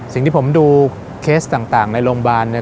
สิ่งที่ผมดูเคสต่างในโรงพยาบาลเนี่ย